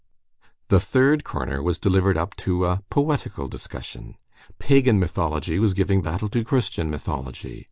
The third corner was delivered up to a poetical discussion. Pagan mythology was giving battle to Christian mythology.